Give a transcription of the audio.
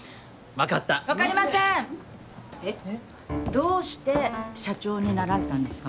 どうして社長になられたんですか？